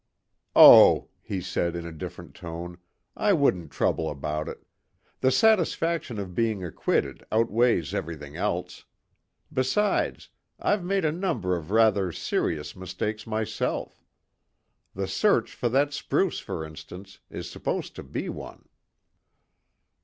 "Oh," he said in a different tone; "I wouldn't trouble about it. The satisfaction of being acquitted outweighs everything else. Besides, I've made a number of rather serious mistakes myself. The search for that spruce, for instance, is supposed to be one."